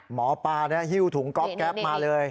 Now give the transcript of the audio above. หมอปลาหิ้วถุงก๊อบแก๊ปมาเลย